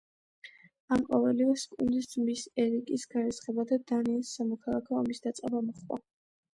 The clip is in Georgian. ამ ყოველივეს კნუდის ძმის, ერიკის განრისხება და დანიის სამოქალაქო ომის დაწყება მოჰყვა.